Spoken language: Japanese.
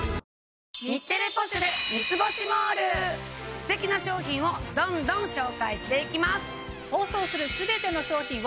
ステキな商品をどんどん紹介していきます。